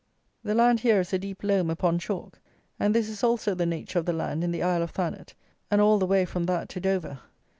The land here is a deep loam upon chalk; and this is also the nature of the land in the Isle of Thanet and all the way from that to Dover.